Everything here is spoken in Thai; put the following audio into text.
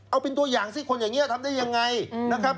เอาเป็นตัวอย่างสิคนอย่างนี้ทำได้ยังไงนะครับ